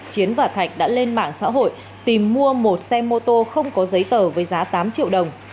chiến và thạch đã lên mạng xã hội tìm mua một xe mô tô không có giấy tờ với giá tám triệu đồng